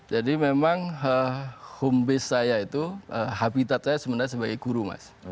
jadi memang home base saya itu habitat saya sebenarnya sebagai guru mas